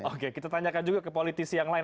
oke kita tanyakan juga ke politisi yang lain